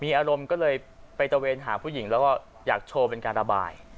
อารมณ์ก็เลยไปตะเวนหาผู้หญิงแล้วก็อยากโชว์เป็นการระบาย